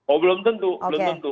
oh belum tentu belum tentu